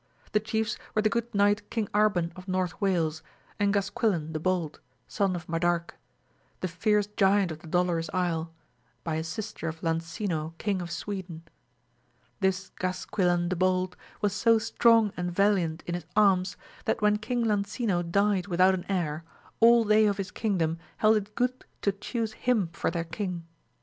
The chiefs were the good knight King Arban of North Wales, and Gasquilan the Bold, son of Madarque, the fierce Giant of the Dolorous Isle, by a sister of Lancino King of Sweden. This Gasquilan the Bold was so strong and valiant in arms, that when King Lancino died without an heir, all they of his kingdom held it good to chuse him for their king.